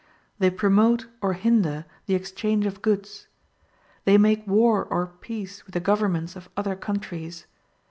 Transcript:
They promote or hinder the exchange of goods. They make war or peace with the governments of other countries.